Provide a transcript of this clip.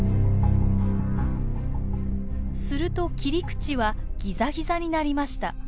すると切り口はギザギザになりました。